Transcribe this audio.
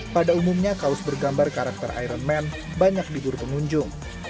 pada umumnya kaos bergambar karakter iron man banyak di buru pengunjung